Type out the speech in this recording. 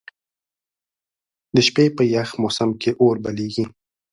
د شپې په یخ موسم کې اور بليږي.